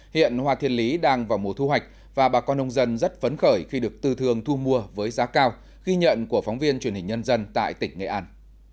hiện hoa thiên lý đang vào mùa thu hoạch và bà con nông dân rất phấn khởi khi được tư thường thu mua với giá cao ghi nhận của phóng viên truyền hình nhân dân tại tỉnh nghệ an